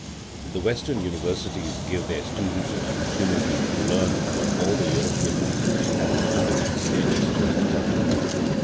The Western Universities give their students an opportunity to learn what all the European peoples have contributed to their Western culture.